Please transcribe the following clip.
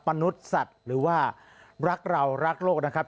มนุษย์สัตว์หรือว่ารักเรารักโลกนะครับ